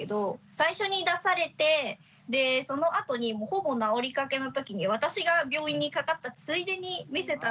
最初に出されてでそのあとにほぼ治りかけの時に私が病院にかかったついでに見せたので。